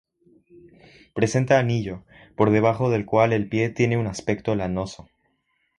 Presenta anillo, por debajo del cual el pie tiene un aspecto lanoso.